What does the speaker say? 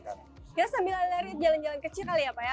kita sambil lari jalan jalan kecil kali ya pak ya